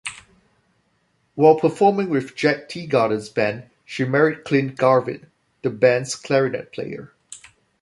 While performing with Jack Teagarden's band, she married Clint Garvin, the band's clarinet player.